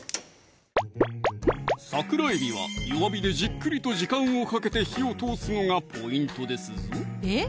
桜えびは弱火でじっくりと時間をかけて火を通すのがポイントですぞえっ